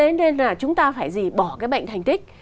thế nên là chúng ta phải gì bỏ cái bệnh thành tích